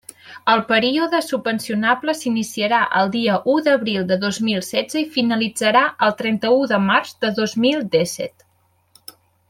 El període subvencionable s'iniciarà el dia u d'abril de dos mil setze i finalitzarà el trenta-u de març de dos mil dèsset.